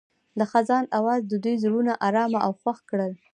د خزان اواز د دوی زړونه ارامه او خوښ کړل.